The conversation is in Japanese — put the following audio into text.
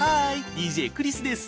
ＤＪクリスです。